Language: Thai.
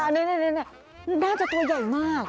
นี่น่าจะตัวใหญ่มาก